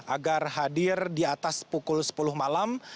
agar hadir di atas pukul sepuluh malam